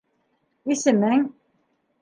— Исемең?